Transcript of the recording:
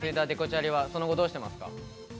デコチャリはその後、どうしてますか？